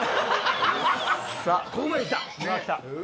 ここまで来た！